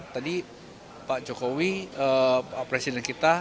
tadi pak jokowi presiden kita